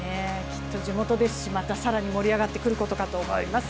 きっと地元ですしさらに盛り上がってくることかと思います。